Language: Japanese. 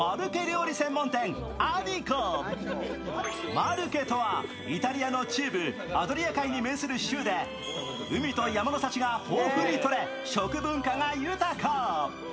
マルケとはイタリアの中部アドリア海に面する州で海と山の幸が豊富にとれ食文化が豊か。